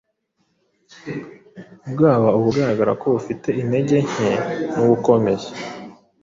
bwaba ubugaragara ko bufite intege nke ndetse n’ubukomeye.